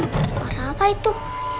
suara apa itu